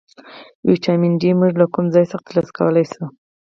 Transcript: ویټامین ډي موږ له کوم ځای څخه ترلاسه کولی شو